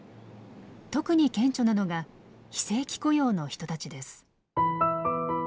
特に顕著なのが非正規雇用の人たちです。